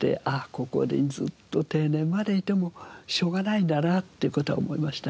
ここでずっと定年までいてもしょうがないんだなっていう事は思いましたね。